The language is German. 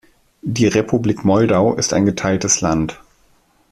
Die Republik Moldau ist ein geteiltes Land.